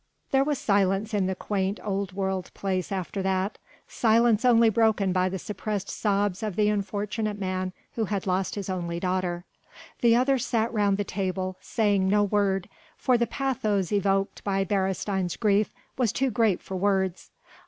There was silence in the quaint old world place after that silence only broken by the suppressed sobs of the unfortunate man who had lost his only daughter. The others sat round the table, saying no word, for the pathos evoked by Beresteyn's grief was too great for words.